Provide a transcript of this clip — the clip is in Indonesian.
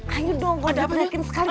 ayo dong gue udah prihatin sekali